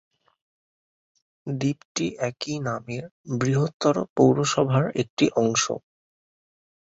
দ্বীপটি একই নামের বৃহত্তর পৌরসভার একটি অংশ।